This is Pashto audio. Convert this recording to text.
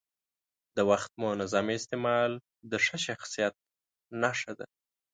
د وخت منظم استعمال د ښه شخصیت نښه ده.